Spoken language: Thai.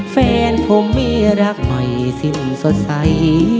แฟนผมมีรักใหม่สิ้นสดใส